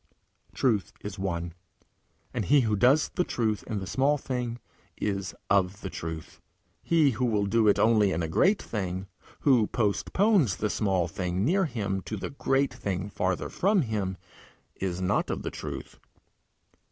Truth is one, and he who does the truth in the small thing is of the truth; he who will do it only in a great thing, who postpones the small thing near him to the great thing farther from him, is not of the truth.